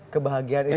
kebahagiaan itu adalah